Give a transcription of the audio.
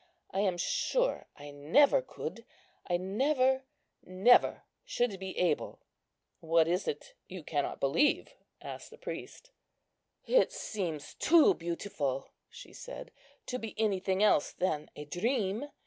I am sure I never could; I never, never should be able." "What is it you cannot believe?" asked the priest. "It seems too beautiful," she said, "to be anything else than a dream.